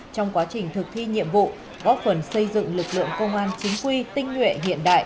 trong quá trình thực thi nhiệm vụ góp phần xây dựng lực lượng công an chính quy tinh nguyện hiện đại